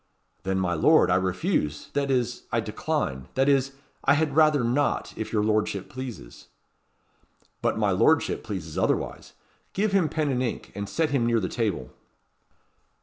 "Then, my lord, I refuse that is, I decline that is, I had rather not, if your lordship pleases." "But my lordship pleases otherwise. Give him pen and ink, and set him near the table."